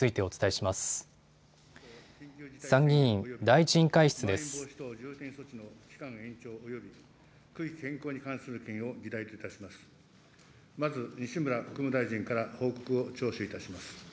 まず西村国務大臣から報告を聴取いたします。